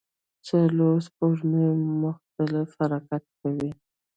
څلور سپوږمۍ مختلف حرکت کوي.